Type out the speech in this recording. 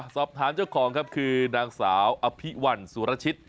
สอบถามเจ้าของครับคือนางสาวอภิวัลสุรชิต